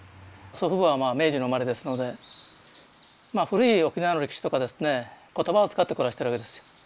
祖父母は明治の生まれですのでまあ古い沖縄の歴史とかですね言葉を使って暮らしてるわけですよ。